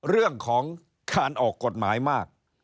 เรื่องของการออกกฎหมายมาก